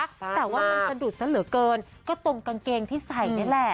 แต่ว่ามันสะดุดซะเหลือเกินก็ตรงกางเกงที่ใส่นี่แหละ